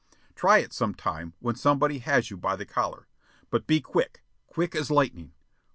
Try it sometime when somebody has you by the collar. But be quick quick as lightning.